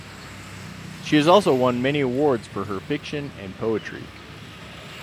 She has also won many awards for her fiction and poetry.